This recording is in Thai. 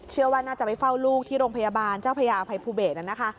เชื่อว่าน่าจะไปเฝ้าลูกที่โรงพยาบาลเจ้าพญาอภัยภูเบศนะคะ